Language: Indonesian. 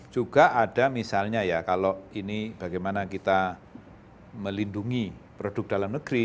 juga ada misalnya ya kalau ini bagaimana kita melindungi produk dalam negeri